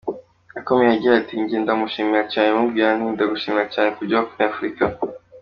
Yakomeje agira ati ” Njye ndamushimira cyane, mubwira nti ‘Ndagushimira cyane kubyo wakoreye Afurika’.